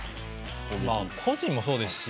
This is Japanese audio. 個人もそうですし